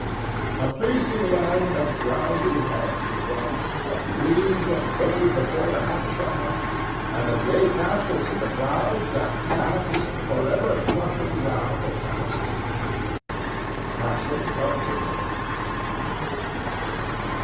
A pleasing land of drowsy head it was, Of dreams that wave before the half shut eye; And of gay castles in the clouds that pass, Forever flushing round a summer sky. CASTLE OF INDOLENCE.